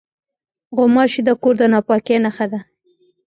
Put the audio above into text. غوماشې د کور د ناپاکۍ نښه دي.